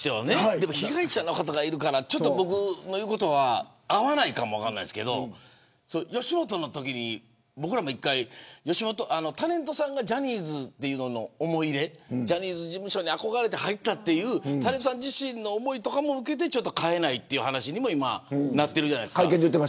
でも被害者の方がいるから僕の言うことは合わないかも分かりませんけど吉本のときに僕らも一回タレントさんがジャニーズへの思い入れジャニーズ事務所に憧れて入ったというタレントさん自身の思いも受けて変えないという話になってるじゃないですか。